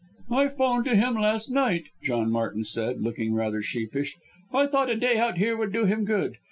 "I 'phoned to him last night," John Martin said, looking rather sheepish. "I thought a day out here would do him good.